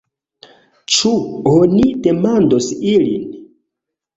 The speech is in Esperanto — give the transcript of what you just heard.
Ĉu oni demandos ilin?